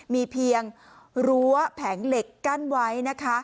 มีเพียงรั้วแผงเหล็กกั้นไว้นะคะ